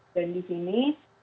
dan di sini